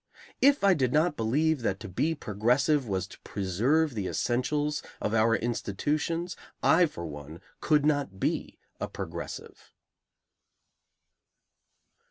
If I did not believe that to be progressive was to preserve the essentials of our institutions, I for one could not be a progressive.